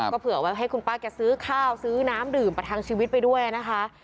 ก็เผื่อไว้ให้คุณป้าแกซื้อข้าวซื้อน้ำดื่มประทังชีวิตไปด้วยนะคะ